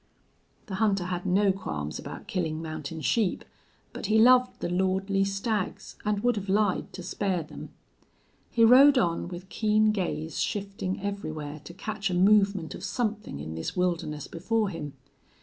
The hunter had no qualms about killing mountain sheep, but he loved the lordly stags and would have lied to spare them. He rode on, with keen gaze shifting everywhere to catch a movement of something in this wilderness before him.